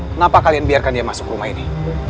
kenapa kalian biarkan dia masuk rumah ini